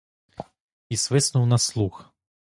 І свиснув на слуг.